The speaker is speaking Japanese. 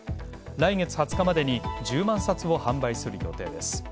来年２０日までに１０万冊を販売する予定です。